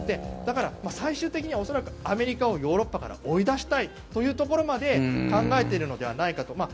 だから、最終的には恐らくアメリカをヨーロッパから追い出したいというところまで考えているのではないかと。